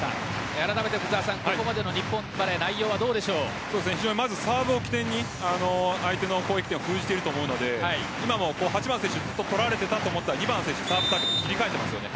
あらためてここまでの日本バレー非常に、サーブを起点に相手の攻撃手を封じていると思うので今も８番の選手取られていたと思ったら２番の選手サーブに切り替えてますよね。